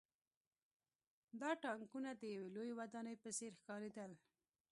دا ټانکونه د یوې لویې ودانۍ په څېر ښکارېدل